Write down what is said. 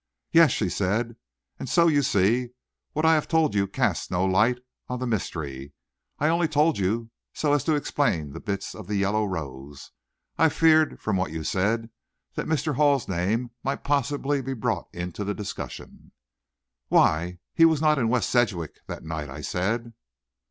"Yes," she said; "and so, you see, what I have told you casts no light on the mystery. I only told you so as to explain the bits of the yellow rose. I feared, from what you said, that Mr. Hall's name might possibly be brought into discussion." "Why, he was not in West Sedgwick that night," I said.